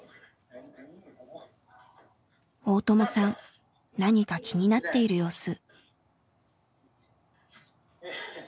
大友さん何か気になっている様子。